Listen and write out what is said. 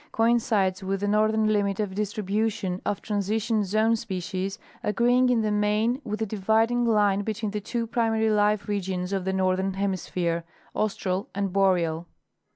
coincides with the northern limit of distribution of Transition zone species, agreeing in the main with the dividing line be tween the two primary life regions of the northern hemi sphere—Austral and Boreal.